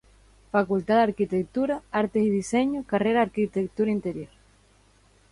Facultad de Arquitectura, Artes y Diseño, carrera Arquitectura Interior.